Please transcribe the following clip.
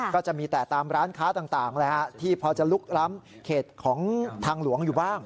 ก็จะมีแต่ตามร้านค้าต่างที่พอจะลุกล้ำเขตของทางหลวงอยู่บ้าง